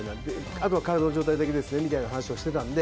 あと体の状態ですねみたいな話をしてたので。